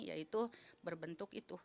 yaitu berbentuk itu